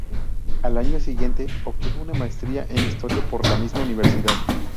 Al año siguiente, obtuvo una maestría en Historia por la misma universidad.